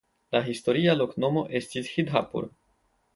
La historia loknomo estis "Sidhhapur".